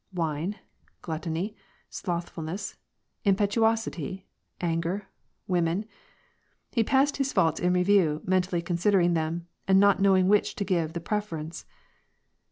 "Wine? Gluttony? Slothfulness ? Impetuosity? Anger? Women ?" He passed his faults in review, mentally consid ering them, and not knowing which to give the preference.